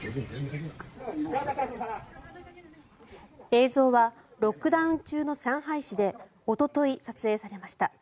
映像はロックダウン中の上海市でおととい撮影されました。